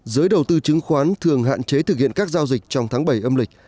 giới đầu tư chứng khoán thường hạn chế thực hiện các giao dịch trong tháng bảy âm lịch